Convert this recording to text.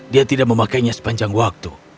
dia tidak memakainya sepanjang waktu